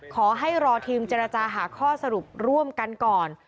ขอให้รอทีมเจรจาหาข้อสรุปร่วมกันก่อน